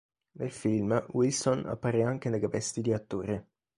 Nel film, Wilson appare anche nelle vesti di attore.